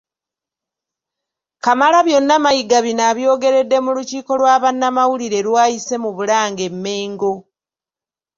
Kamalabyonna Mayiga bino abyogeredde mu lukiiko lwa bannamawulire lw'ayise mu Bulange-Mmengo